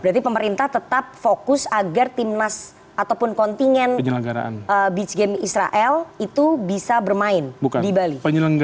berarti pemerintah tetap fokus agar timnas ataupun kontingen beach game israel itu bisa bermain di bali